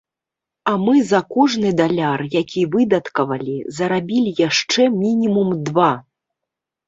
А мы за кожны даляр, які выдаткавалі, зарабілі яшчэ мінімум два.